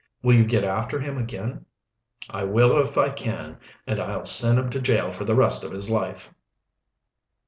Will you get after him again?" "I will if I can, and I'll send him to jail for the rest of his life."